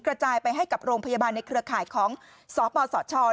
กระจายไปให้กับโรงพยาบาลในเครือข่ายของสปสช